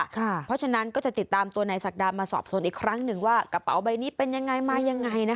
เพราะฉะนั้นก็จะติดตามตัวนายศักดามาสอบสวนอีกครั้งหนึ่งว่ากระเป๋าใบนี้เป็นยังไงมายังไงนะ